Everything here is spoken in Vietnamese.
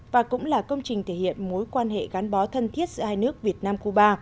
và cũng là công trình thể hiện mối quan hệ gắn bó thân thiết giữa hai nước việt nam cuba